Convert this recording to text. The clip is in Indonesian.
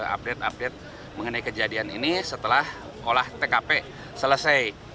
update update mengenai kejadian ini setelah olah tkp selesai